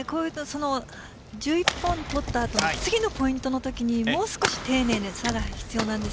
１１本取った後の次のポイントのときにもう少し丁寧なのが必要なんです。